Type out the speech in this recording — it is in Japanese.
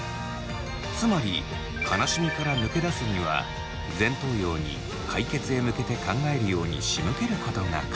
つまり悲しみから抜け出すには前頭葉に解決へ向けて考えるようにしむけることが鍵。